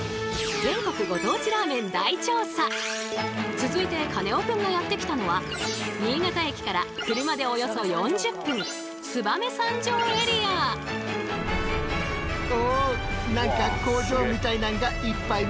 続いてカネオくんがやって来たのは新潟駅から車でおよそ４０分そう！